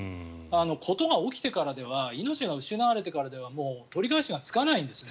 事が起きてからでは命が失われてからではもう取り返しがつかないんですね